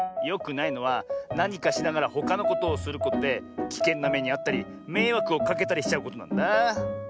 よくないのはなにかしながらほかのことをすることできけんなめにあったりめいわくをかけたりしちゃうことなんだなあ。